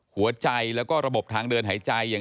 พบหน้าลูกแบบเป็นร่างไร้วิญญาณ